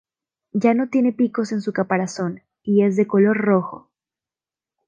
Ya no tiene picos en su caparazón y es de color rojo.